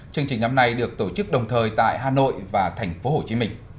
chương trình năm nay được tổ chức đồng thời tại hà nội và thành phố hồ chí minh